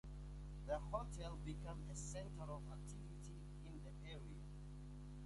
The hotel became a center of activity in the area.